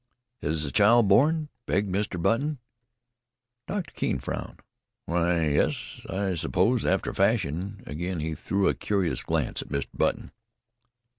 "Is the child born?" begged Mr. Button. Doctor Keene frowned. "Why, yes, I suppose so after a fashion." Again he threw a curious glance at Mr. Button.